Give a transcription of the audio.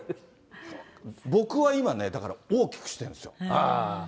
僕は今ね、だから大きくしてるんですよ。